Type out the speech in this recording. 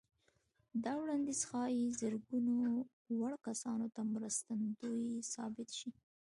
دا وړانديز ښايي زرګونه وړ کسانو ته مرستندوی ثابت شي.